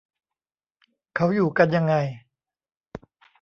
เขาอยู่กันยังไง ?